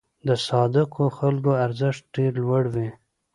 د صادقو خلکو ارزښت ډېر لوړ وي.